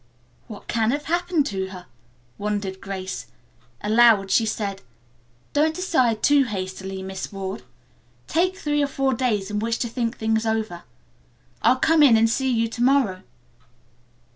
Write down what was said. "What can have happened to her!" wondered Grace. Aloud she said: "Don't decide too hastily, Miss Ward. Take three or four days in which to think things over. I'll come in and see you to morrow."